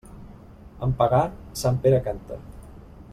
En pagar, sant Pere canta.